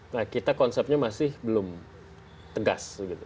nah kita konsepnya masih belum tegas